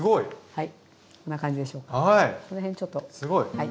はい。